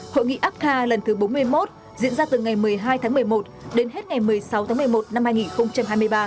hội nghị apca lần thứ bốn mươi một diễn ra từ ngày một mươi hai tháng một mươi một đến hết ngày một mươi sáu tháng một mươi một năm hai nghìn hai mươi ba